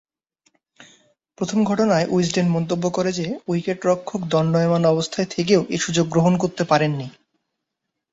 প্রথম ঘটনায় উইজডেন মন্তব্য করে যে, উইকেট-রক্ষক দণ্ডায়মান অবস্থায় থেকেও এ সুযোগ গ্রহণ করতে পারেননি।